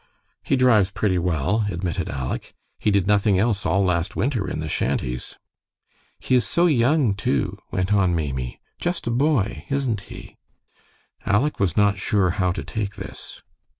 "He drives pretty well," admitted Aleck. "He did nothing else all last winter in the shanties." "He is so young, too," went on Maimie. "Just a boy, isn't he?" Aleck was not sure how to take this.